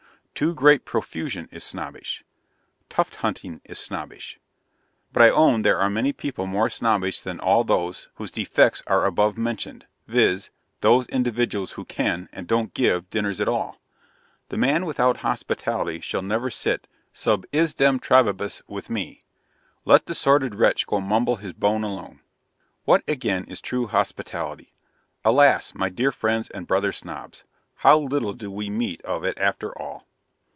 Too great profusion is snobbish. Tuft hunting is snobbish. But I own there are people more snobbish than all those whose defects are above mentioned: viz., those individuals who can, and don't give dinners at all. The man without hospitality shall never sit SUB IISDEM TRABIBUS with ME. Let the sordid wretch go mumble his bone alone! What, again, is true hospitality? Alas, my dear friends and brother Snobs! how little do we meet of it after all!